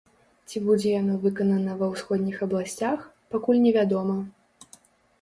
Ці будзе яно выканана ва ўсходніх абласцях, пакуль невядома.